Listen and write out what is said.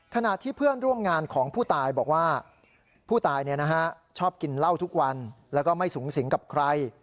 ขณะที่เพื่อนร่วมงานของผู้ตายบอกว่าผู้ตายชอบกินเหล้าทุกวันแล้วก็ไม่สูงสิงกับใคร